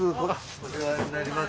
お世話になります。